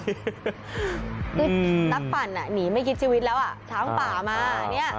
นักปั่นอ่ะหนีไม่คิดชีวิตแล้วอ่ะทางป่ามา